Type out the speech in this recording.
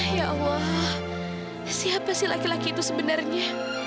ya allah siapa sih laki laki itu sebenarnya